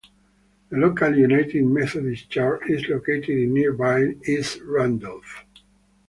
The local United Methodist church is located in nearby East Randolph.